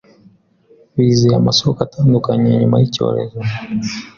bizeye amasoko atandukanye nyuma y' icyorezo